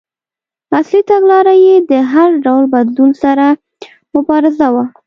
اصلي تګلاره یې د هر ډول بدلون سره مبارزه وه.